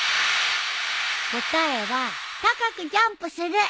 答えは「高くジャンプする」